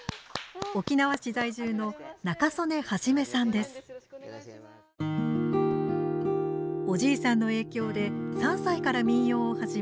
沖縄市在住のおじいさんの影響で３歳から民謡を始め